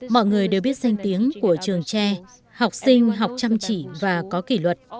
mọi người đều biết danh tiếng của trường tre học sinh học chăm chỉ và có kỷ luật